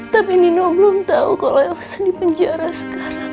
tapi nino belum tau kalau elsa dipenjara sekarang